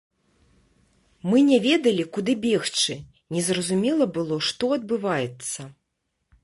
Мы не ведалі, куды бегчы, не зразумела было, што адбываецца.